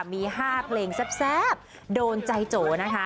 มี๕เพลงแซ่บโดนใจโจนะคะ